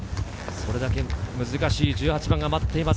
それだけ難しい１８番が待っています。